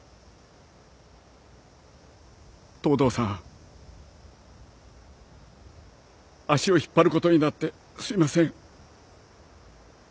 東堂さん足を引っ張ることになってすいません。